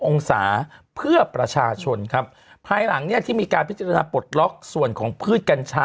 องศาเพื่อประชาชนครับภายหลังเนี่ยที่มีการพิจารณาปลดล็อกส่วนของพืชกัญชา